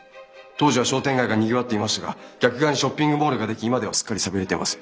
当時は商店街がにぎわっていましたが逆側にショッピングモールができ今はすっかり寂れてます。